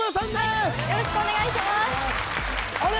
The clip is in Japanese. はいよろしくお願いしますあれ！？